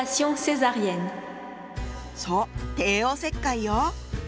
そう帝王切開よ。